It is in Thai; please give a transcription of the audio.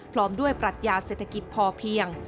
พร้อมด้วยปรัชญาเศรษฐกิจพอเพียง